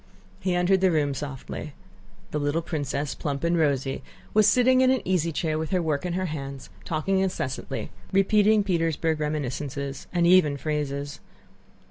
He entered the room softly. The little princess, plump and rosy, was sitting in an easy chair with her work in her hands, talking incessantly, repeating Petersburg reminiscences and even phrases.